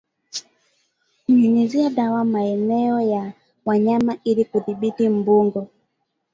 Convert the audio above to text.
Kunyunyiza dawa maeneo ya wanyama ili kudhibiti mbungo